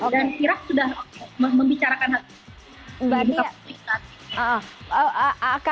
dan iraq sudah membicarakan hal itu